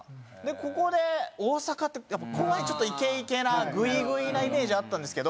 ここで大阪って怖いちょっとイケイケなグイグイなイメージあったんですけど